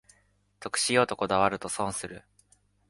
得しようとこだわると損する